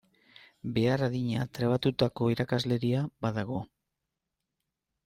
Behar adina trebatutako irakasleria badago.